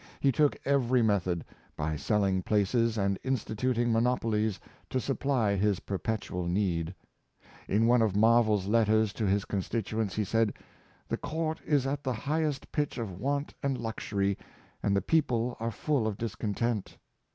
He took every method, by selling places and instituting monopolies, to supply his perpetual need. In one of MarvelPs letters to his constituents he said, " The court is at the highest pitch of want and luxury, and the people are full of dis content."